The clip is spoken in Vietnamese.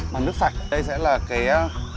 bằng nước sạch đây sẽ là cái